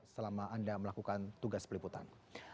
selama anda melakukan tugas peliputan